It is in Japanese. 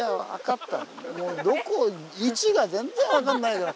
もうどこ位置が全然分かんないから。